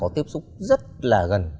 tiếp xúc rất là gần